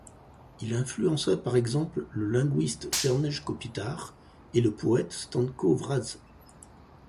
Il influença par exemple le linguiste Jernej Kopitar et le poète Stanko Vraz.